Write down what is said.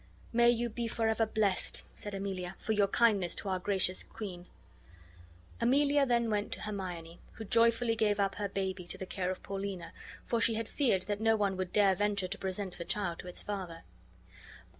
"May you be forever blessed," said Emilia, "for your kindness to our gracious queen!" Emilia then went to Hermione, who joyfully gave up her baby to the care of Paulina, for she had feared that no one would dare venture to present the child to its father.